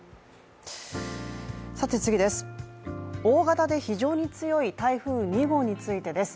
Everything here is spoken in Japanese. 次です、大型で非常に強い台風２号についてです。